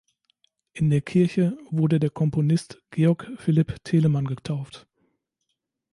In der Kirche wurde der Komponist Georg Philipp Telemann getauft.